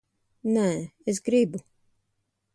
Nē, es gribu.